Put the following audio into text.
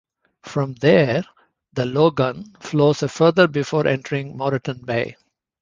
From there the Logan flows a further before entering Moreton Bay.